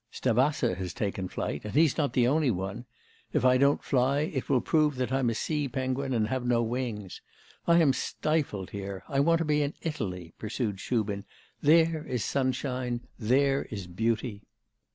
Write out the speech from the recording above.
'Stavasser has taken flight.... And he's not the only one. If I don't fly, it will prove that I'm a sea penguin, and have no wings. I am stifled here, I want to be in Italy,' pursued Shubin, 'there is sunshine, there is beauty.